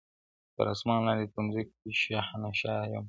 • تر اسمان لاندي تر مځکي شهنشاه یم -